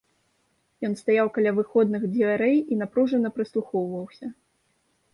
Ён стаяў каля выходных дзвярэй і напружана прыслухоўваўся.